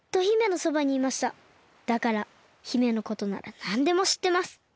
だから姫のことならなんでもしってます。